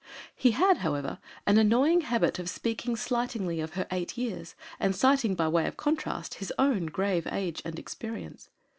He had, however, an annoying habit of speaking slightingly of her eight years and citing by way of contrast his own grave age and experience.